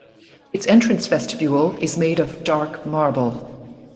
Its entrance vestibule is made of dark marble.